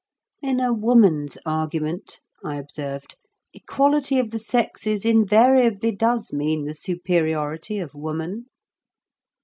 "In a woman's argument," I observed, "equality of the sexes invariably does mean the superiority of woman."